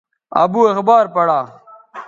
ابو اخبار پڑا